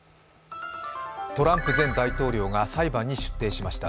トランプ前大統領が裁判に出廷しました